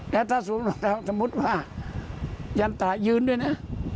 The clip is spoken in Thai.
และถ้าสวมรองเท้าสมมุติว่ายันตรายืนด้วยนะ